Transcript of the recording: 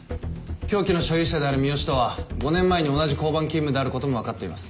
凶器の所有者である三好とは５年前に同じ交番勤務である事もわかっています。